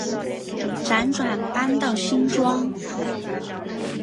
辗转搬到新庄